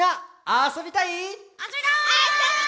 あそびたい！